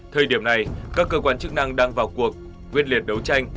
thời điểm này các cơ quan chức năng đang vào cuộc quyết liệt đấu tranh